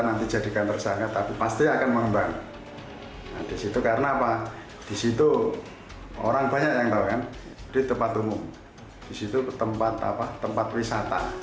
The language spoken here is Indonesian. nanti cek di video selanjutnya